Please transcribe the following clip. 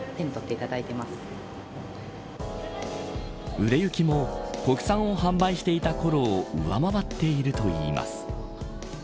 売れ行きも国産を販売していたころを上回っているといいます。